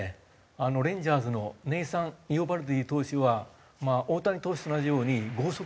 レンジャーズのネイサン・イオバルディ投手は大谷投手と同じように剛速球投手なんです。